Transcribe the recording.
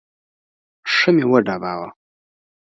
ښه مې وډباوه.